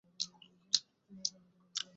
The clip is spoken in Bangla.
এরা ক্ষুদ্রাকৃতির চড়ুই।